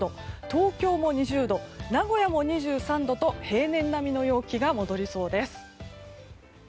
東京も２０度、名古屋も２３度と平年並みの陽気が戻りそうです。